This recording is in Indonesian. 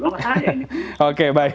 nggak masalah ya ini